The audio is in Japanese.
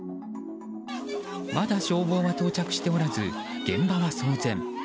まだ消防は到着しておらず現場は騒然。